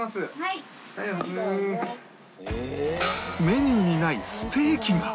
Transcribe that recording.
メニューにないステーキが出てきた！